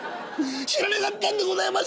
知らなかったんでございます。